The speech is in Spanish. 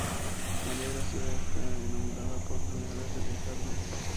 María Graciela está enamorada por primera vez, de Ricardo.